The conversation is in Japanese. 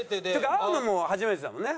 会うのも初めてだもんね？